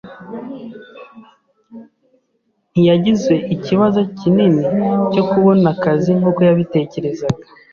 Ntiyagize ikibazo kinini cyo kubona akazi nkuko yabitekerezaga.